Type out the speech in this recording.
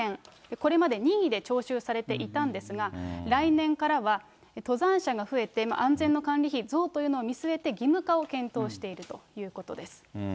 これまで任意で徴収されていたんですが、来年からは、登山者が増えて、安全の管理費増というのを見据えて、義務化を検討しているということです。